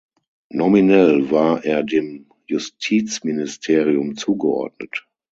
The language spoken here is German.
Nominell war er dem Justizministerium zugeordnet.